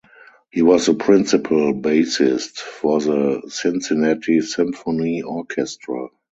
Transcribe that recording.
He was the principal bassist for the Cincinnati Symphony Orchestra.